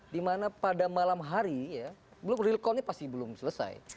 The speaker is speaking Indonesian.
dimana pada malam hari ya belum real callnya pasti belum selesai